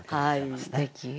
すてき。